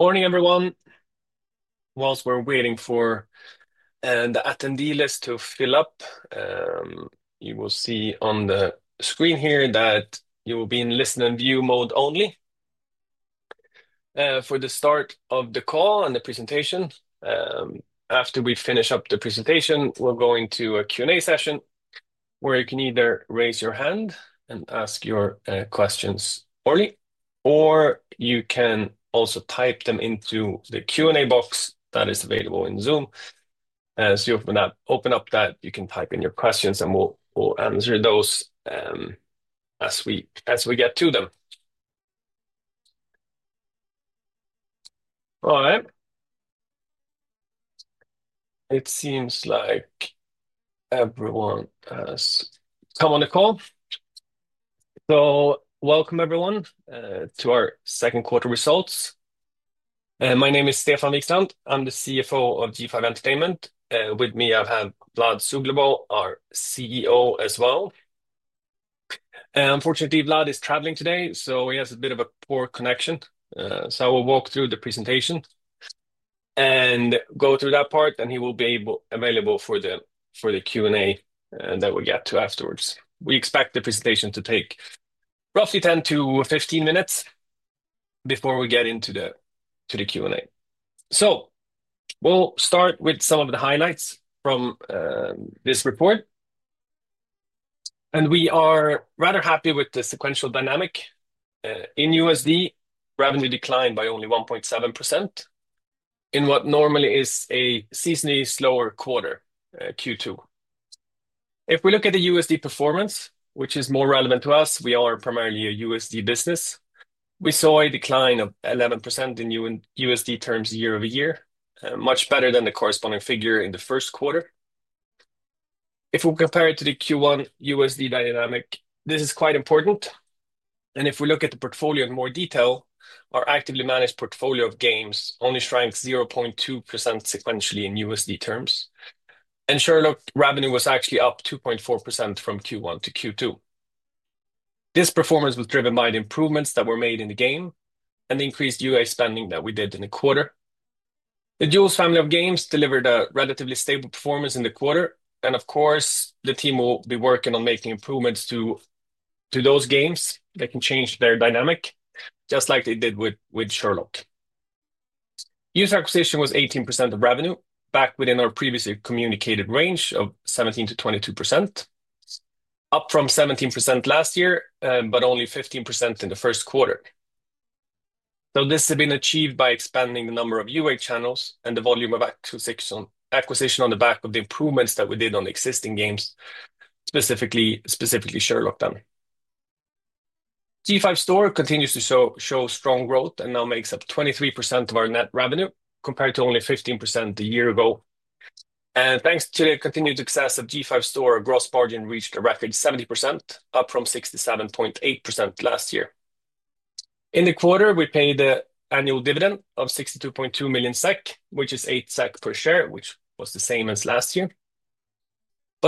Morning, everyone. Whilst we're waiting for the attendee list to fill up, you will see on the screen here that you will be in listening view mode only. For the start of the call and the presentation, after we finish up the presentation, we'll go into a Q&A session where you can either raise your hand and ask your questions orally, or you can also type them into the Q&A box that is available in Zoom. As you open up that, you can type in your questions, and we'll answer those as we get to them. All right. It seems like everyone has come on the call. Welcome, everyone, to our second quarter results. My name is Stefan Wikstrand. I'm the CFO of G5 Entertainment. With me, I have Vlad Suglobov, our CEO as well. Unfortunately, Vlad is traveling today, so he has a bit of a poor connection. I will walk through the presentation and go through that part, and he will be available for the Q&A that we'll get to afterwards. We expect the presentation to take roughly 10-15 minutes before we get into the Q&A. We'll start with some of the highlights from this report. We are rather happy with the sequential dynamic. In USD, revenue declined by only 1.7% in what normally is a seasonally slower quarter, Q2. If we look at the USD performance, which is more relevant to us, we are primarily a USD business. We saw a decline of 11% in USD terms year over year, much better than the corresponding figure in the first quarter. If we compare it to the Q1 USD dynamic, this is quite important. If we look at the portfolio in more detail, our actively managed portfolio of games only shrank 0.2% sequentially in USD terms. Sherlock revenue was actually up 2.4% from Q1-Q2. This performance was driven by the improvements that were made in the game and the increased UA spending that we did in the quarter. The Jewels family of games delivered a relatively stable performance in the quarter. The team will be working on making improvements to those games that can change their dynamic, just like they did with Sherlock. User acquisition was 18% of revenue, back within our previously communicated range of 17%-22%. Up from 17% last year, but only 15% in the first quarter. This has been achieved by expanding the number of UA channels and the volume of acquisition on the back of the improvements that we did on existing games, specifically Sherlock then. G5 Store continues to show strong growth and now makes up 23% of our net revenue, compared to only 15% a year ago. Thanks to the continued success of G5 Store, our gross margin reached a record 70%, up from 67.8% last year. In the quarter, we paid an annual dividend of 62.2 million SEK, which is 8 SEK per share, which was the same as last year.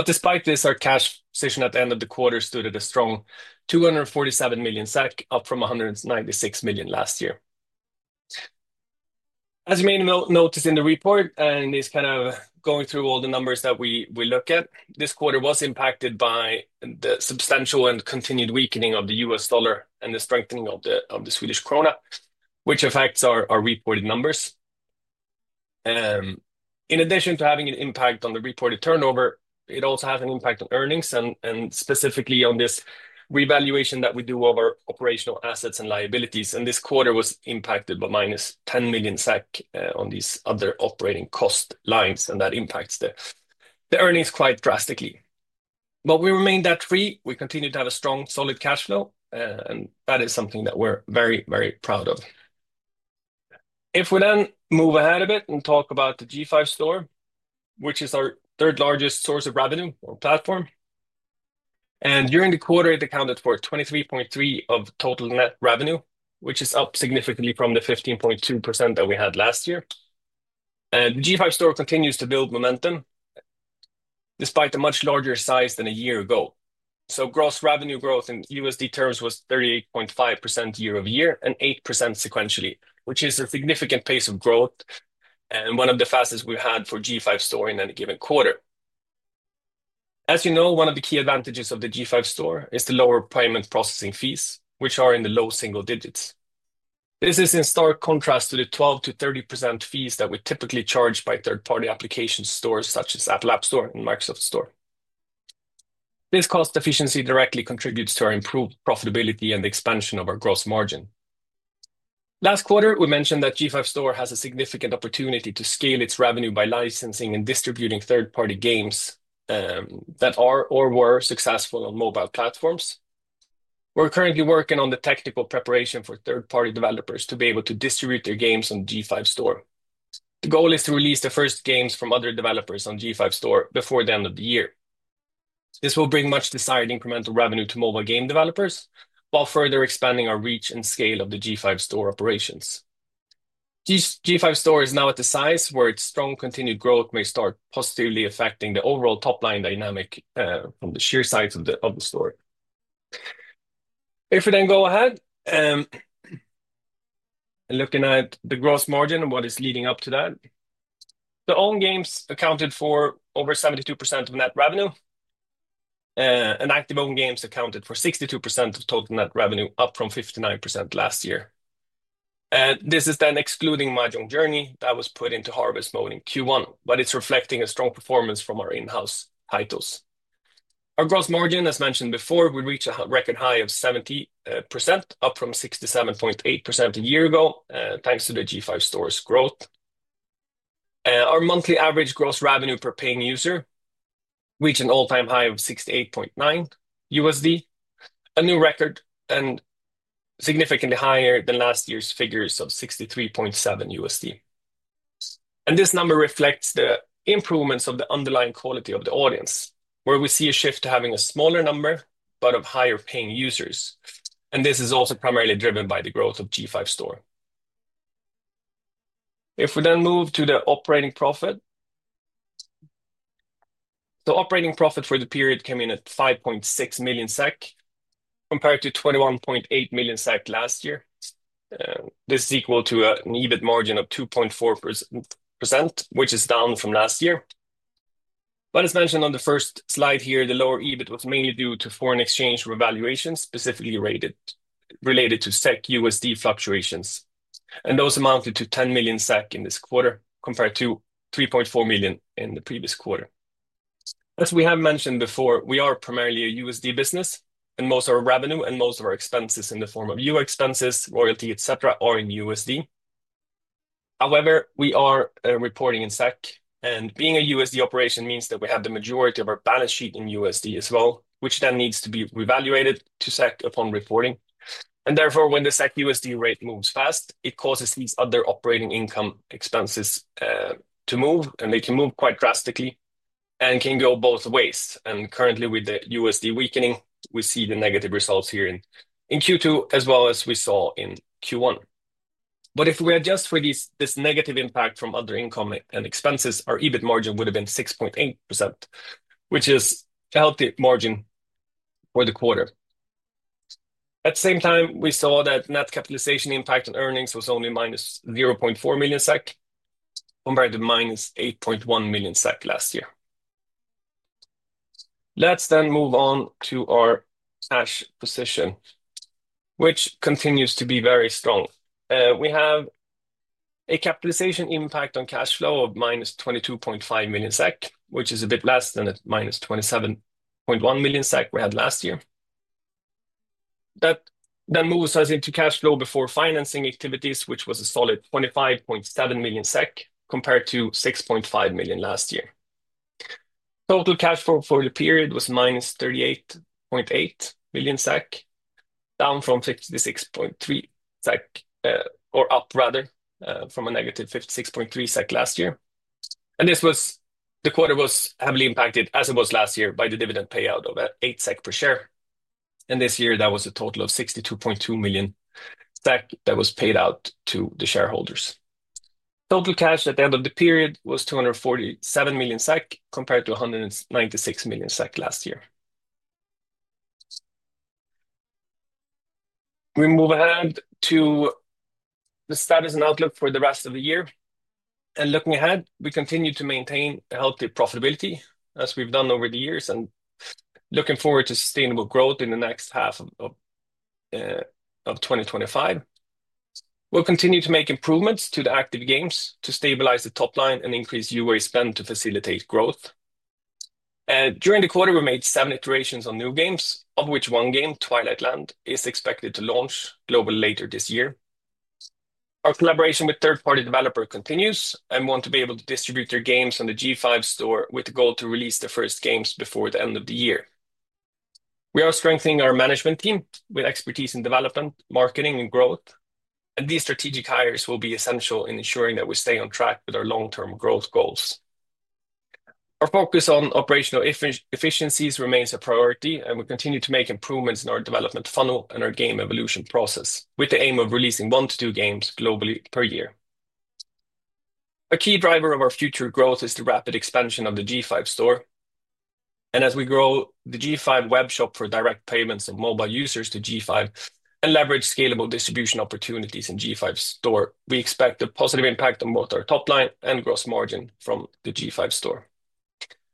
Despite this, our cash position at the end of the quarter stood at a strong 247 million, up from 196 million last year. As you may notice in the report, and in going through all the numbers that we look at, this quarter was impacted by the substantial and continued weakening of the U.S. dollar and the strengthening of the Swedish krona, which affects our reported numbers. In addition to having an impact on the reported turnover, it also has an impact on earnings and specifically on this reevaluation that we do of our operational assets and liabilities. This quarter was impacted by minus 10 million on these other operating cost lines, and that impacts the earnings quite drastically. We remained debt-free. We continue to have a strong, solid cash flow, and that is something that we're very, very proud of. If we then move ahead a bit and talk about the G5 Store, which is our third largest source of revenue or platform. During the quarter, it accounted for 23.3% of total net revenue, which is up significantly from the 15.2% that we had last year. The G5 Store continues to build momentum despite a much larger size than a year ago. Gross revenue growth in USD terms was 38.5% year-over-year and 8% sequentially, which is a significant pace of growth and one of the fastest we've had for G5 Store in any given quarter. As you know, one of the key advantages of the G5 Store is the lower payment processing fees, which are in the low single digits. This is in stark contrast to the 12%-30% fees that we are typically charged by third-party application stores such as Apple App Store and Microsoft Store. This cost efficiency directly contributes to our improved profitability and expansion of our gross margin. Last quarter, we mentioned that G5 Store has a significant opportunity to scale its revenue by licensing and distributing third-party games that are or were successful on mobile platforms. We're currently working on the technical preparation for third-party developers to be able to distribute their games on G5 Store. The goal is to release the first games from other developers on G5 Store before the end of the year. This will bring much desired incremental revenue to mobile game developers while further expanding our reach and scale of the G5 Store operations. G5 Store is now at a size where its strong continued growth may start positively affecting the overall top-line dynamic from the sheer size of the store. If we then go ahead and look at the gross margin and what is leading up to that, owned games accounted for over 72% of net revenue, and active owned games accounted for 62% of total net revenue, up from 59% last year. This is then excluding Mahjong Journey that was put into harvest mode in Q1, but it's reflecting a strong performance from our in-house titles. Our gross margin, as mentioned before, we reached a record high of 70%, up from 67.8% a year ago, thanks to the G5 Store's growth. Our monthly average gross revenue per paying user reached an all-time high of $68.9, a new record and significantly higher than last year's figures of $63.7. This number reflects the improvements of the underlying quality of the audience, where we see a shift to having a smaller number, but of higher paying users. This is also primarily driven by the growth of G5 Store. If we then move to the operating profit, the operating profit for the period came in at 5.6 million SEK compared to 21.8 million SEK last year. This is equal to an EBIT margin of 2.4%, which is down from last year. As mentioned on the first slide here, the lower EBIT was mainly due to foreign exchange revaluations, specifically related to SEK/USD fluctuations. Those amounted to 10 million SEK in this quarter compared to 3.4 million in the previous quarter. As we have mentioned before, we are primarily a USD business, and most of our revenue and most of our expenses in the form of UA expenses, royalty, et cetera, are in USD. However, we are reporting in SEK, and being a USD operation means that we have the majority of our balance sheet in USD as well, which then needs to be revaluated to SEK upon reporting. Therefore, when the SEK/USD rate moves fast, it causes these other operating income expenses to move, and they can move quite drastically and can go both ways. Currently, with the USD weakening, we see the negative results here in Q2, as well as we saw in Q1. If we adjust for this negative impact from other income and expenses, our EBIT margin would have been 6.8%, which is a healthy margin for the quarter. At the same time, we saw that net capitalization impact on earnings was only -0.4 million SEK compared to -8.1 million SEK last year. Let's then move on to our cash position, which continues to be very strong. We have a capitalization impact on cash flow of -22.5 million SEK, which is a bit less than -27.1 million SEK we had last year. That moves us into cash flow before financing activities, which was a solid 25.7 million SEK compared to 6.5 million SEK last year. Total cash flow for the period was -38.8 million SEK, up from -56.3 million SEK last year. This quarter was heavily impacted, as it was last year, by the dividend payout of 8 SEK per share. This year, that was a total of 62.2 million SEK that was paid out to the shareholders. Total cash at the end of the period was 247 million SEK compared to 196 million SEK last year. We move ahead to the status and outlook for the rest of the year. Looking ahead, we continue to maintain a healthy profitability, as we've done over the years, and look forward to sustainable growth in the next half of 2025. We'll continue to make improvements to the active games to stabilize the top line and increase UA spend to facilitate growth. During the quarter, we made seven iterations on new games, of which one game, Twilight Land, is expected to launch globally later this year. Our collaboration with third-party developers continues and we want to be able to distribute their games on the G5 Store with the goal to release the first games before the end of the year. We are strengthening our management team with expertise in development, marketing, and growth. These strategic hires will be essential in ensuring that we stay on track with our long-term growth goals. Our focus on operational efficiencies remains a priority, and we continue to make improvements in our development funnel and our game evolution process, with the aim of releasing one to two games globally per year. A key driver of our future growth is the rapid expansion of the G5 Store. As we grow the G5 web shop for direct payments of mobile users to G5 and leverage scalable distribution opportunities in G5 Store, we expect a positive impact on both our top line and gross margin from the G5 Store.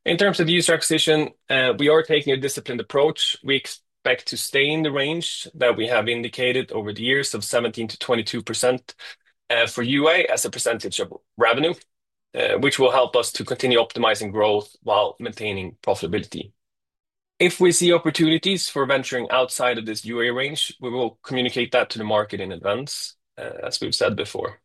In terms of user acquisition, we are taking a disciplined approach. We expect to stay in the range that we have indicated over the years of 17%-22% for UA as a percentage of revenue, which will help us to continue optimizing growth while maintaining profitability. If we see opportunities for venturing outside of this UA range, we will communicate that to the market in advance, as we've said before.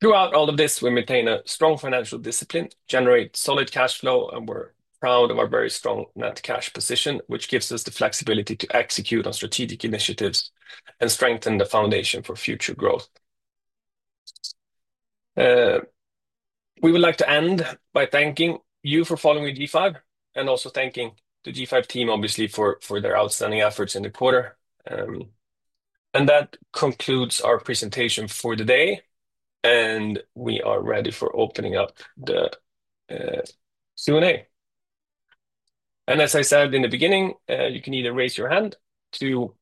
Throughout all of this, we maintain a strong financial discipline, generate solid cash flow, and we're proud of our very strong net cash position, which gives us the flexibility to execute on strategic initiatives and strengthen the foundation for future growth. We would like to end by thanking you for following G5 and also thanking the G5 team, obviously, for their outstanding efforts in the quarter. That concludes our presentation for the day, and we are ready for opening up the Q&A. As I said in the beginning, you can either raise your hand to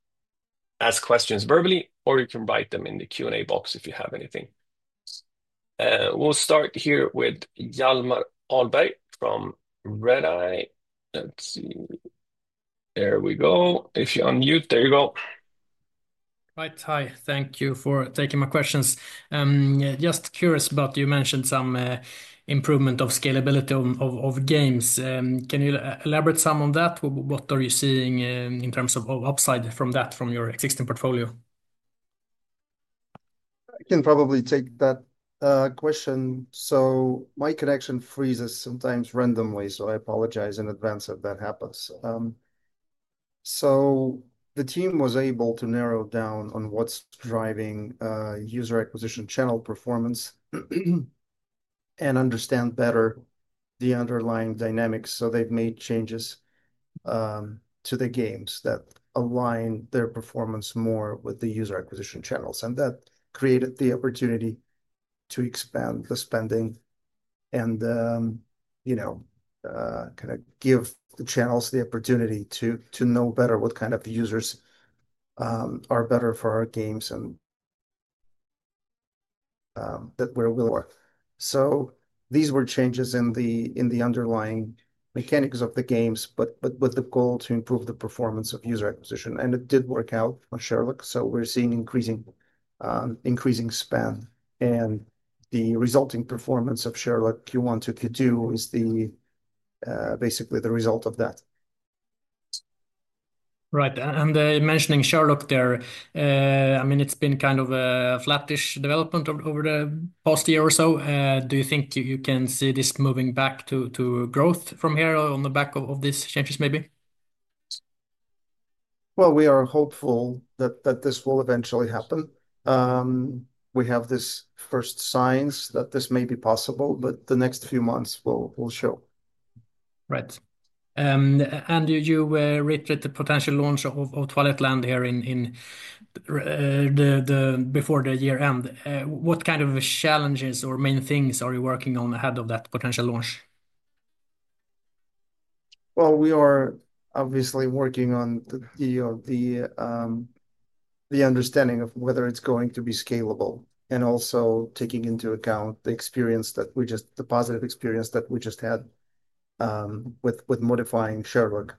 ask questions verbally, or you can write them in the Q&A box if you have anything. We'll start here with Hjalmar Ahlberg from Redeye. Let's see. There we go. If you unmute, there you go. Hi. Thank you for taking my questions. Just curious, you mentioned some improvement of scalability of games. Can you elaborate some on that? What are you seeing in terms of upside from that from your existing portfolio? I can probably take that question. My connection freezes sometimes randomly, so I apologize in advance if that happens. The team was able to narrow down on what's driving user acquisition channel performance and understand better the underlying dynamics. They've made changes to the games that align their performance more with the user acquisition channels. That created the opportunity to expand the spending and give the channels the opportunity to know better what kind of users are better for our games and that we're for. These were changes in the underlying mechanics of the games, with the goal to improve the performance of user acquisition. It did work out on Sherlock. We're seeing increasing spend, and the resulting performance of Sherlock, if you want to, is basically the result of that. Right. Mentioning Sherlock there, it's been kind of a flatish development over the past year or so. Do you think you can see this moving back to growth from here on the back of these changes, maybe? We are hopeful that this will eventually happen. We have these first signs that this may be possible, but the next few months will show. Right. You repeated the potential launch of Twilight Land here before the year end. What kind of challenges or main things are you working on ahead of that potential launch? We are obviously working on the understanding of whether it's going to be scalable and also taking into account the experience that we just, the positive experience that we just had with modifying Sherlock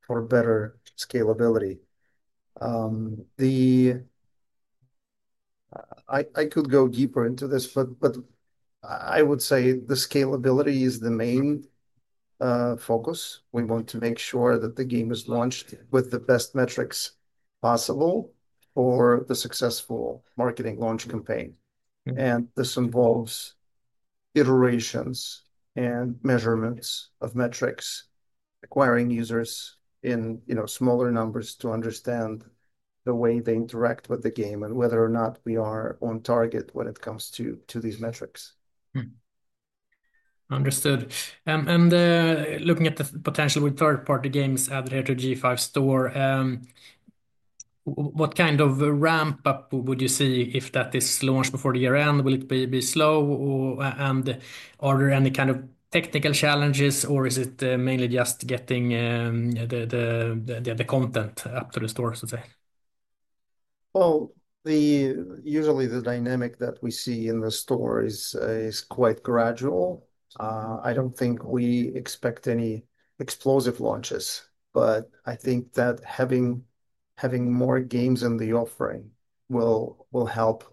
for better scalability. I could go deeper into this, but I would say the scalability is the main focus. We want to make sure that the game is launched with the best metrics possible for the successful marketing launch campaign. This involves iterations and measurements of metrics, acquiring users in smaller numbers to understand the way they interact with the game and whether or not we are on target when it comes to these metrics. Understood. Looking at the potential with third-party games added here to G5 Store, what kind of ramp-up would you see if that is launched before the year end? Will it be slow? Are there any kind of technical challenges, or is it mainly just getting the content up to the store, so to say? Usually, the dynamic that we see in the store is quite gradual. I don't think we expect any explosive launches, but I think that having more games in the offering will help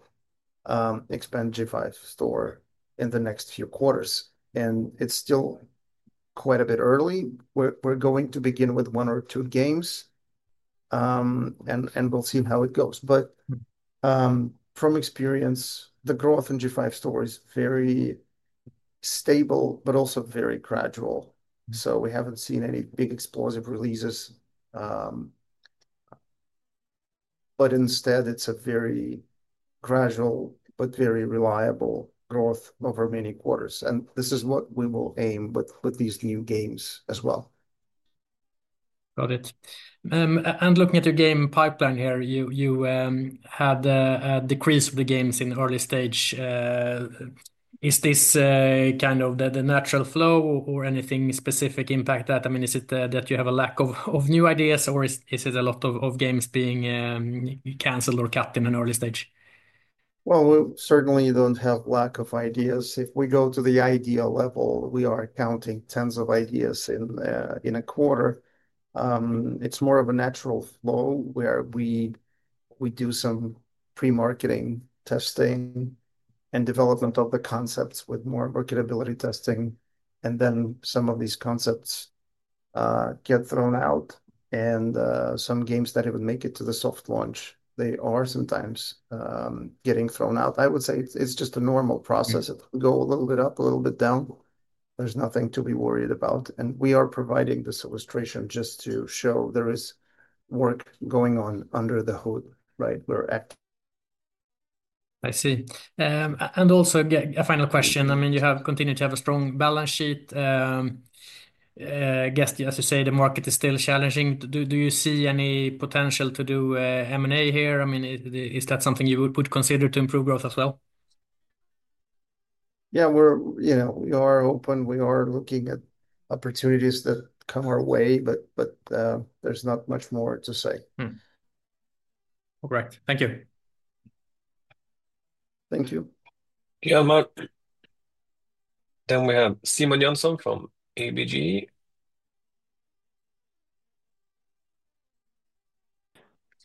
expand G5 Store in the next few quarters. It is still quite a bit early. We're going to begin with one or two games, and we'll see how it goes. From experience, the growth in G5 Store is very stable, but also very gradual. We haven't seen any big explosive releases, instead, it's a very gradual, but very reliable growth over many quarters. This is what we will aim with these new games as well. Got it. Looking at your game pipeline here, you had a decrease of the games in early stage. Is this kind of the natural flow or anything specific impact that? I mean, is it that you have a lack of new ideas, or is it a lot of games being canceled or cut in an early stage? We certainly don't have a lack of ideas. If we go to the idea level, we are counting tens of ideas in a quarter. It's more of a natural flow where we do some pre-marketing testing and development of the concepts with more marketability testing. Some of these concepts get thrown out, and some games that even make it to the soft launch are sometimes getting thrown out. I would say it's just a normal process. It will go a little bit up, a little bit down. There's nothing to be worried about. We are providing this illustration just to show there is work going on under the hood, right? We're active. I see. Also, a final question. You have continued to have a strong balance sheet. I guess, as you say, the market is still challenging. Do you see any potential to do M&A here? Is that something you would consider to improve growth as well? We are open. We are looking at opportunities that come our way, but there's not much more to say. All right. Thank you. Thank you. Hjalmar. We have Simon Jönsson from ABG.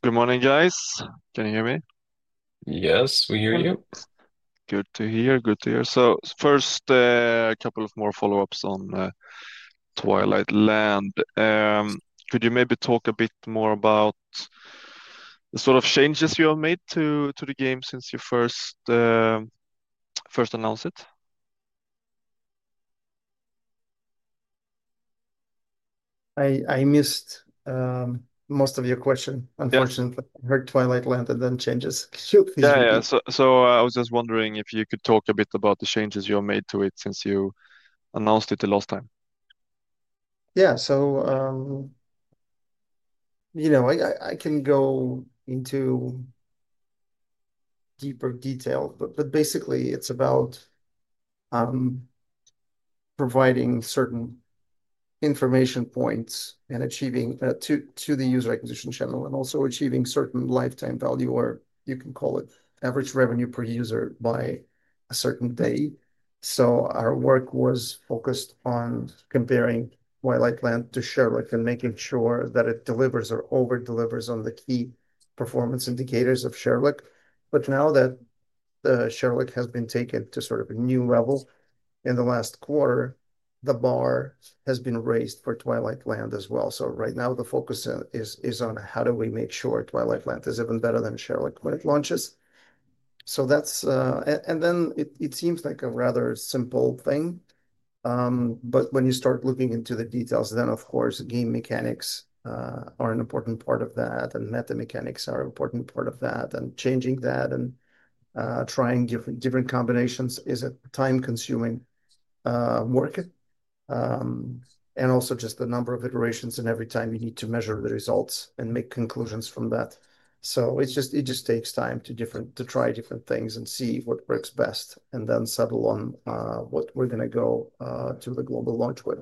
Good morning, guys. Can you hear me? Yes, we hear you. Good to hear. Good to hear. First, a couple of more follow-ups on Twilight Land. Could you maybe talk a bit more about the sort of changes you have made to the game since you first announced it? I missed most of your question, unfortunately. I heard Twilight Land and then changes. I was just wondering if you could talk a bit about the changes you have made to it since you announced it the last time. Yeah. I can go into deeper detail, but basically, it's about providing certain information points and achieving to the user acquisition channel and also achieving certain lifetime value, or you can call it average revenue per user by a certain day. Our work was focused on comparing Twilight Land to Sherlock and making sure that it delivers or over-delivers on the key performance indicators of Sherlock. Now that Sherlock has been taken to sort of a new level in the last quarter, the bar has been raised for Twilight Land as well. Right now, the focus is on how do we make sure Twilight Land is even better than Sherlock when it launches. It seems like a rather simple thing. When you start looking into the details, the game mechanics are an important part of that, and meta mechanics are an important part of that. Changing that and trying different combinations is time-consuming work. Also, just the number of iterations, and every time you need to measure the results and make conclusions from that. It just takes time to try different things and see what works best and then settle on what we're going to go to the global launch with.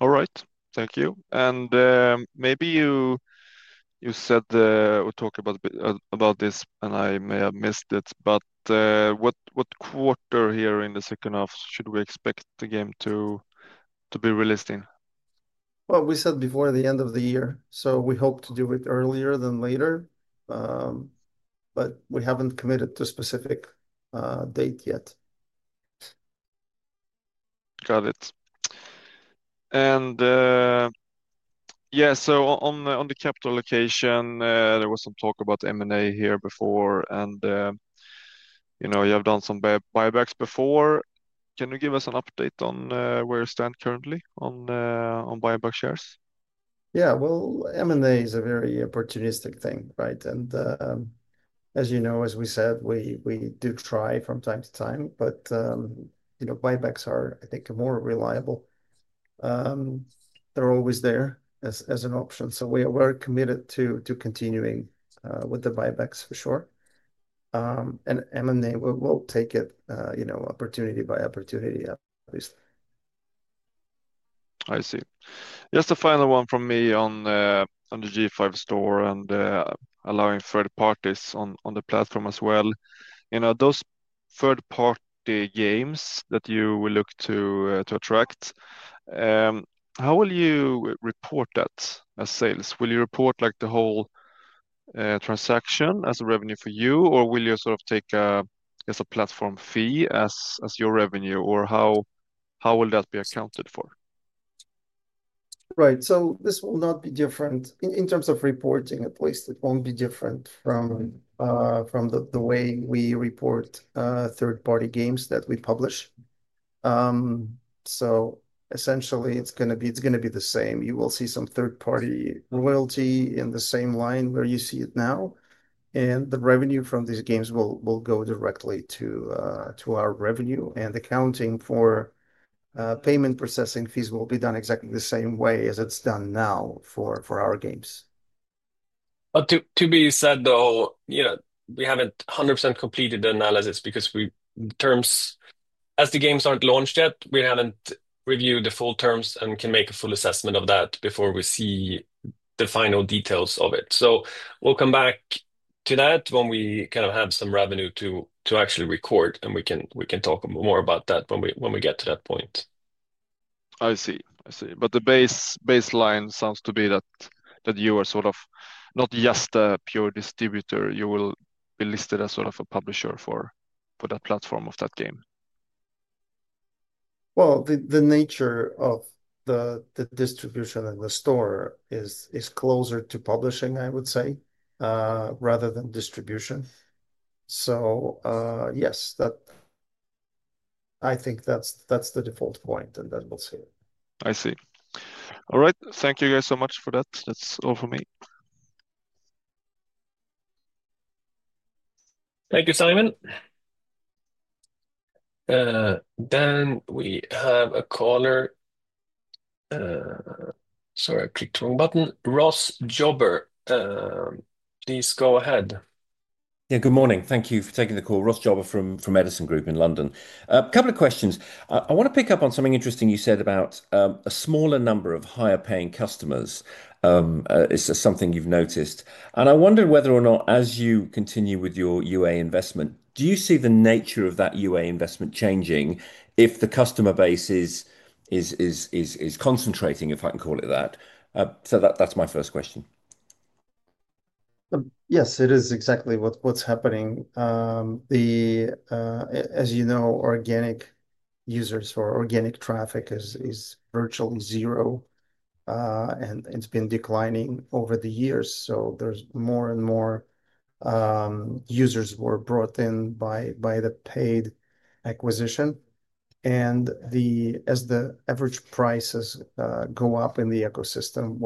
All right. Thank you. Maybe you said you'll talk about this, and I may have missed it, but what quarter here in the second half should we expect the game to be released in? We said before the end of the year, so we hope to do it earlier than later, but we haven't committed to a specific date yet. Got it. On the capital allocation, there was some talk about M&A here before, and you know, you have done some buybacks before. Can you give us an update on where you stand currently on buyback shares? M&A is a very opportunistic thing, right? As you know, as we said, we do try from time to time, but you know, buybacks are, I think, more reliable. They're always there as an option. We are very committed to continuing with the buybacks for sure. M&A will take it, you know, opportunity by opportunity up. I see. Just a final one from me on the G5 Store and allowing third parties on the platform as well. Those third-party games that you will look to attract, how will you report that as sales? Will you report the whole transaction as revenue for you, or will you take a platform fee as your revenue, or how will that be accounted for? Right. This will not be different in terms of reporting. At least it won't be different from the way we report third-party games that we publish. Essentially, it's going to be the same. You will see some third-party royalty in the same line where you see it now. The revenue from these games will go directly to our revenue, and accounting for payment processing fees will be done exactly the same way as it's done now for our games. That being said, we haven't 100% completed the analysis because, in terms, as the games aren't launched yet, we haven't reviewed the full terms and can't make a full assessment of that before we see the final details of it. We'll come back to that when we have some revenue to actually record, and we can talk more about that when we get to that point. I see. I see. The baseline sounds to be that you are sort of not just a pure distributor. You will be listed as sort of a publisher for that platform of that game. The nature of the distribution and the store is closer to publishing, I would say, rather than distribution. I think that's the default point, and then we'll see. I see. All right. Thank you guys so much for that. That's all for me. Thank you, Simon. We have a caller. Sorry, I clicked the wrong button. Ross Jobber, please go ahead. Good morning. Thank you for taking the call. Ross Jobber from Edison Group in London. A couple of questions. I want to pick up on something interesting you said about a smaller number of higher paying customers. Is this something you've noticed? I wonder whether or not, as you continue with your UA investment, do you see the nature of that UA investment changing if the customer base is concentrating, if I can call it that? That's my first question. Yes, it is exactly what's happening. As you know, organic users or organic traffic is virtually zero, and it's been declining over the years. There are more and more users who are brought in by the paid acquisition. As the average prices go up in the ecosystem,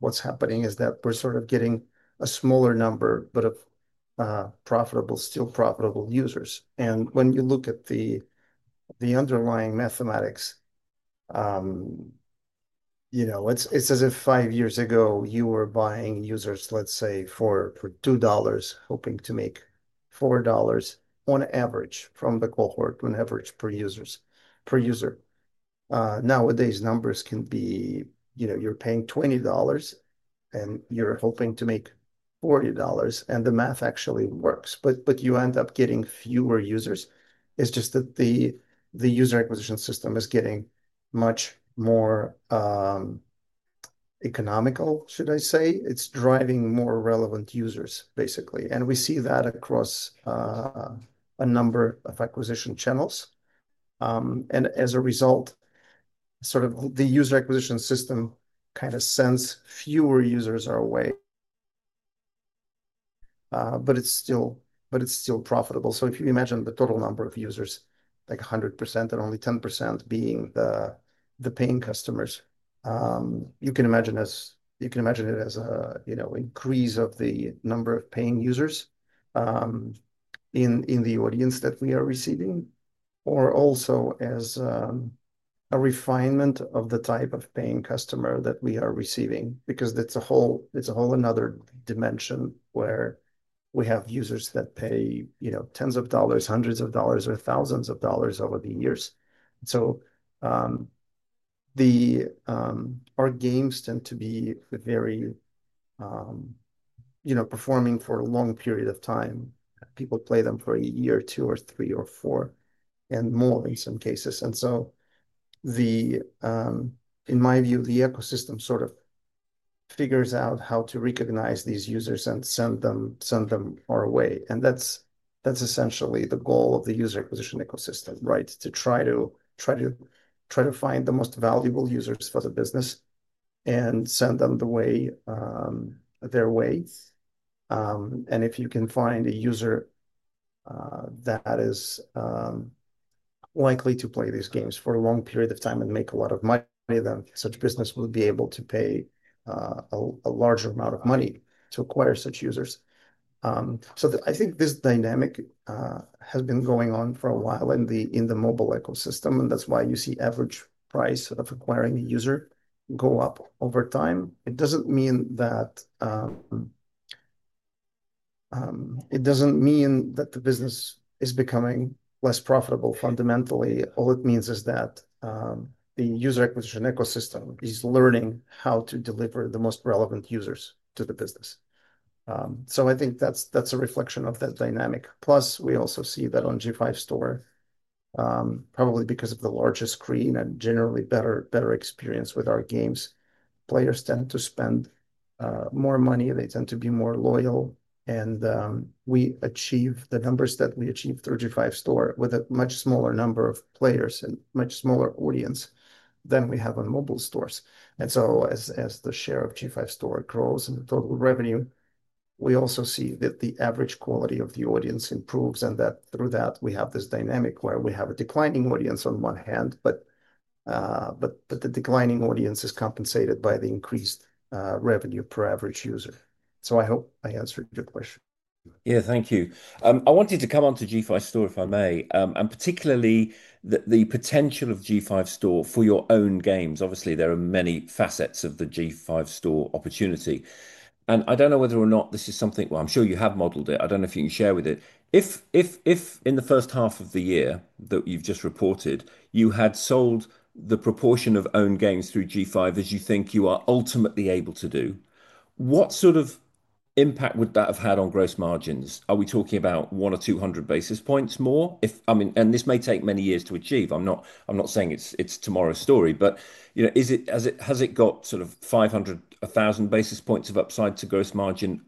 what's happening is that we're sort of getting a smaller number, but of profitable, still profitable users. When you look at the underlying mathematics, it's as if five years ago you were buying users, let's say, for $2, hoping to make $4 on average from the cohort, on average per user. Nowadays, numbers can be, you're paying $20 and you're hoping to make $40, and the math actually works. You end up getting fewer users. It's just that the user acquisition system is getting much more economical, should I say. It's driving more relevant users, basically. We see that across a number of acquisition channels. As a result, the user acquisition system kind of sends fewer users our way, but it's still profitable. If you imagine the total number of users, like 100% and only 10% being the paying customers, you can imagine it as an increase of the number of paying users in the audience that we are receiving, or also as a refinement of the type of paying customer that we are receiving, because it's a whole another dimension where we have users that pay tens of dollars, hundreds of dollars, or thousands of dollars over the years. Our games tend to be very, you know, performing for a long period of time. People play them for a year or two or three or four and more in some cases. In my view, the ecosystem sort of figures out how to recognize these users and send them our way. That's essentially the goal of the user acquisition ecosystem, right? To try to find the most valuable users for the business and send them the way their ways. If you can find a user that is likely to play these games for a long period of time and make a lot of money, then such business will be able to pay a larger amount of money to acquire such users. I think this dynamic has been going on for a while in the mobile ecosystem, and that's why you see average price of acquiring a user go up over time. It doesn't mean that the business is becoming less profitable fundamentally. All it means is that the user acquisition ecosystem is learning how to deliver the most relevant users to the business. I think that's a reflection of that dynamic. Plus, we also see that on G5 Store, probably because of the larger screen and generally better experience with our games, players tend to spend more money. They tend to be more loyal. We achieve the numbers that we achieve through G5 Store with a much smaller number of players and a much smaller audience than we have on mobile stores. As the share of G5 Store grows in total revenue, we also see that the average quality of the audience improves and that through that we have this dynamic where we have a declining audience on one hand, but the declining audience is compensated by the increased revenue per average user. I hope I answered your question. Thank you. I wanted to come on to G5 Store if I may, and particularly the potential of G5 Store for your own games. Obviously, there are many facets of the G5 Store opportunity. I don't know whether or not this is something, I'm sure you have modeled it. I don't know if you can share with it. If in the first half of the year that you've just reported, you had sold the proportion of owned games through G5 as you think you are ultimately able to do, what sort of impact would that have had on gross margins? Are we talking about 100 or 200 basis points more? I mean, this may take many years to achieve. I'm not saying it's tomorrow's story, but you know, has it got sort of 500, 1,000 basis points of upside to gross margin?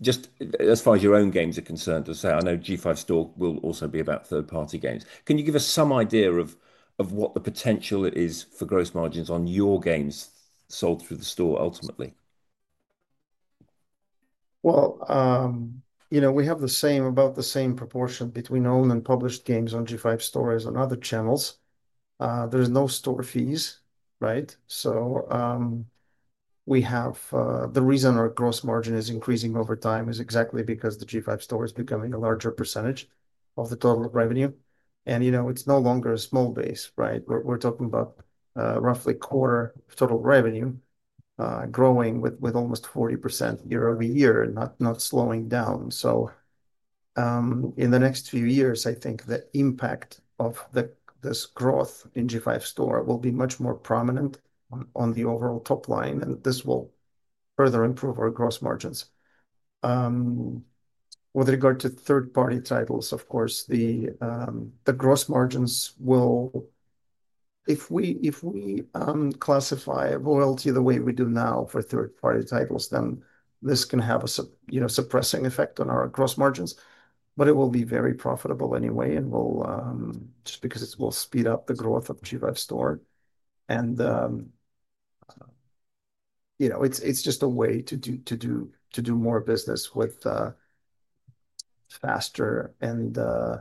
Just as far as your own games are concerned, I know G5 Store will also be about third-party games. Can you give us some idea of what the potential is for gross margins on your games sold through the store ultimately? We have about the same proportion between owned and published games on G5 Store as on other channels. There's no store fees, right? The reason our gross margin is increasing over time is exactly because the G5 Store is becoming a larger percentage of the total revenue. It's no longer a small base, right? We're talking about roughly a quarter of total revenue growing with almost 40% year-over-year and not slowing down. In the next few years, I think the impact of this growth in G5 Store will be much more prominent on the overall top line, and this will further improve our gross margins. With regard to third-party titles, of course, the gross margins will, if we classify loyalty the way we do now for third-party titles, then this can have a suppressing effect on our gross margins. It will be very profitable anyway, just because it will speed up the growth of G5 Store. It's just a way to do more business faster and with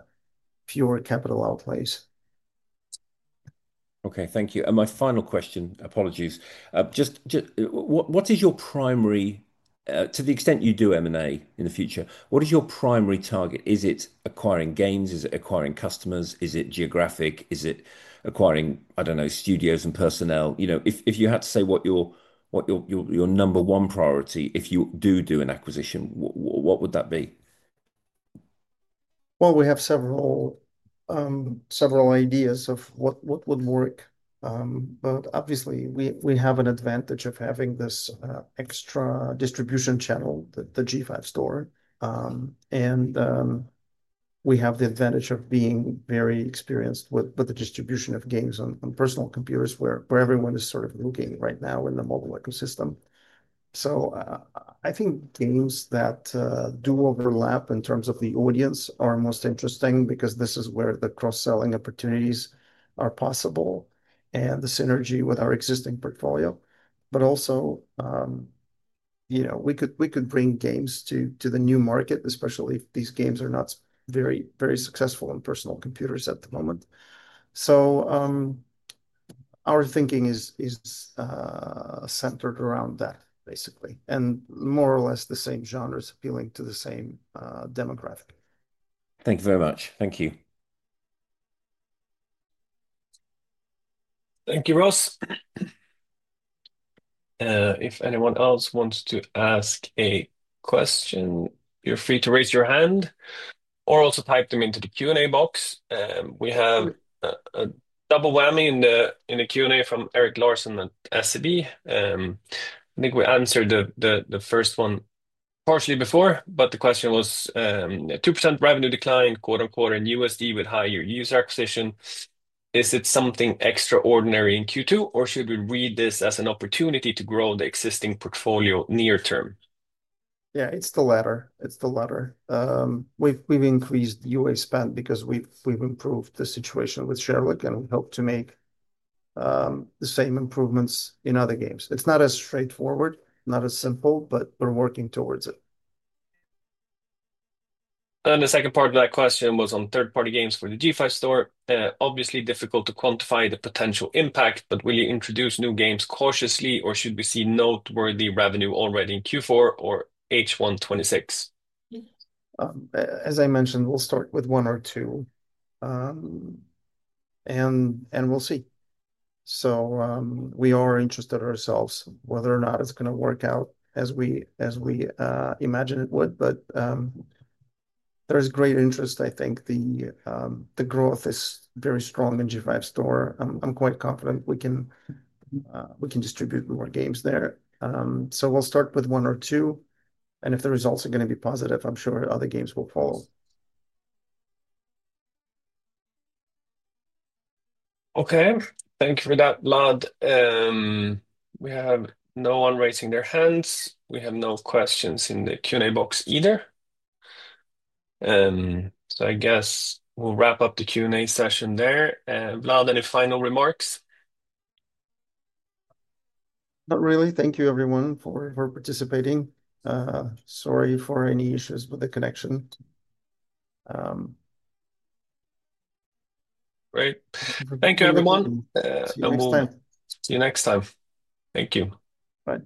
fewer capital outlays. Okay, thank you. My final question, apologies. Just what is your primary, to the extent you do M&A in the future, what is your primary target? Is it acquiring games? Is it acquiring customers? Is it geographic? Is it acquiring, I don't know, studios and personnel? If you had to say what your number one priority, if you do do an acquisition, what would that be? We have several ideas of what would work. Obviously, we have an advantage of having this extra distribution channel, the G5 Store. We have the advantage of being very experienced with the distribution of games on personal computers where everyone is sort of looking right now in the mobile ecosystem. I think games that do overlap in terms of the audience are most interesting because this is where the cross-selling opportunities are possible and the synergy with our existing portfolio. Also, you know, we could bring games to the new market, especially if these games are not very, very successful on personal computers at the moment. Our thinking is centered around that, basically, and more or less the same genres appealing to the same demographic. Thank you very much. Thank you. Thank you, Ross. If anyone else wants to ask a question, you're free to raise your hand or also type them into the Q&A box. We have a double whammy in the Q&A from Erik Larsson at SEB. I think we answered the first one partially before, but the question was, "2% revenue decline, quote unquote, in USD with higher user acquisition. Is it something extraordinary in Q2, or should we read this as an opportunity to grow the existing portfolio near term? Yeah, it's the latter. We've increased UA spend because we've improved the situation with Sherlock, and we hope to make the same improvements in other games. It's not as straightforward, not as simple, but we're working towards it. The second part of that question was on third-party games for the G5 Store. Obviously, difficult to quantify the potential impact, but will you introduce new games cautiously, or should we see noteworthy revenue already in Q4 or H1 2026? As I mentioned, we'll start with one or two, and we'll see. We are interested ourselves whether or not it's going to work out as we imagine it would, but there's great interest. I think the growth is very strong in G5 Store. I'm quite confident we can distribute more games there. We'll start with one or two, and if the results are going to be positive, I'm sure other games will follow. Okay. Thank you for that, Vlad. We have no one raising their hands. We have no questions in the Q&A box either. I guess we'll wrap up the Q&A session there. Vlad, any final remarks? Not really. Thank you, everyone, for participating. Sorry for any issues with the connection. Great. Thank you, everyone. See you next time. See you next time. Thank you. Bye. Bye.